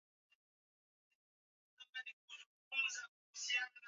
kwa nini kila mara unajiami ni vizuri tu kujua hali yako